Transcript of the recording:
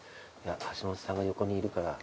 橋本さんが横にいるから余計。